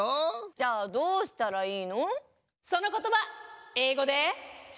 ⁉じゃあどうしたらいいの？え？あう？